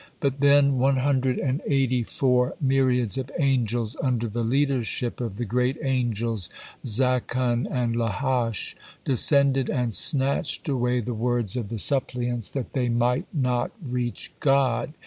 But then one hundred and eighty four myriads of angels under the leadership of the great angels Zakun and Lahash descended and snatched away the words of the suppliants, that they might not reach God.